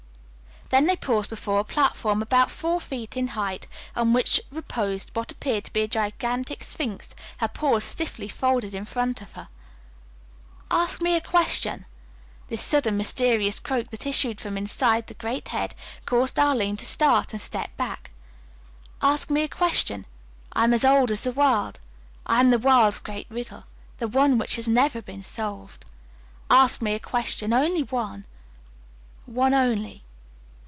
Then they paused before a platform about four feet in height on which reposed what appeared to be a gigantic Sphinx, her paws stiffly folded in front of her. "Ask me a question." This sudden, mysterious croak that issued from inside the great head caused Arline to start and step back. "Ask me a question. I am as old as the world. I am the world's great riddle, the one which has never been solved. Ask me a question, only one, one only."